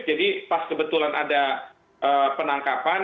jadi pas kebetulan ada penangkapan